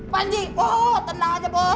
paji tenang aja bos